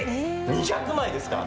２００枚ですか？